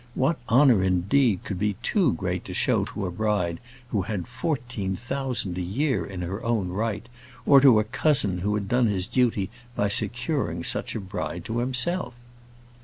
What honour, indeed, could be too great to show to a bride who had fourteen thousand a year in her own right, or to a cousin who had done his duty by securing such a bride to himself!